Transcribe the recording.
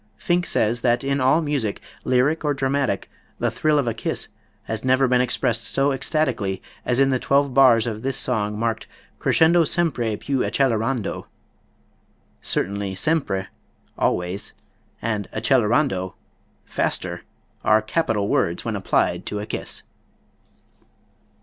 Finck says that in all music, lyric or dramatic, the thrill of a kiss has never been expressed so ecstatically as in the twelve bars of this song marked "crescendo sempre piu accellerando." Certainly sempre (always) and accellerando (faster) are capital words when applied to a kiss!